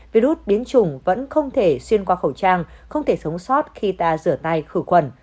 virus biến chủng vẫn không thể xuyên qua khẩu trang không thể sống sót khi ta rửa tay khử khuẩn